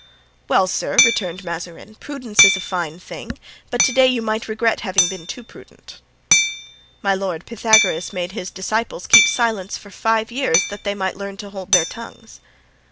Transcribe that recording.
"Well, sir," returned Mazarin, "prudence is a fine thing, but to day you might regret having been too prudent." "My lord, Pythagoras made his disciples keep silence for five years that they might learn to hold their tongues."